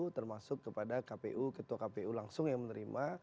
termasuk kepada kpu ketua kpu langsung yang menerima